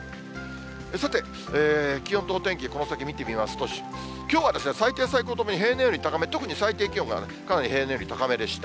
さて、気温とお天気、この先見てみますと、きょうは最低、最高ともに平年より高め、特に最低気温がかなり平年より高めでした。